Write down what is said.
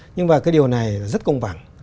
nhưng mà cái điều này rất công bằng